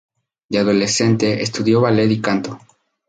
De adolescente estudió ballet y canto.